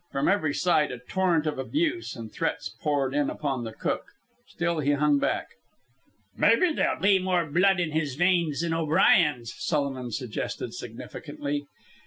From every side a torrent of abuse and threats poured in upon the cook. Still he hung back. "Maybe there'll be more blood in his veins than O'Brien's," Sullivan suggested significantly.